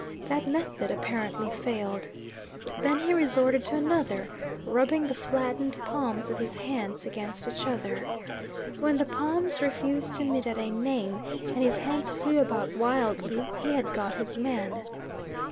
That method apparently failed. Then he resorted to another, rubbing the flattened palms of his hands against each other. When the palms refused to meet at a name, and his hands flew about wildly, he had got his man.